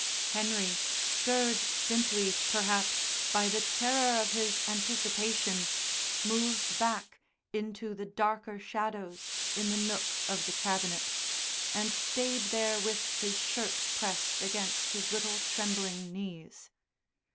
Henry, stirred simply, perhaps, by the terror of his anticipation, moved back into the darker shadows in the nook of the cabinet, and stayed there with his shirt pressed against his little trembling knees.